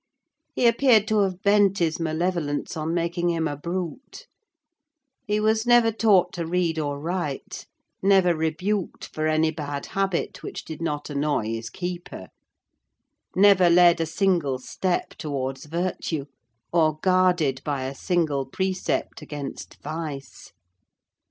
He appeared to have bent his malevolence on making him a brute: he was never taught to read or write; never rebuked for any bad habit which did not annoy his keeper; never led a single step towards virtue, or guarded by a single precept against vice.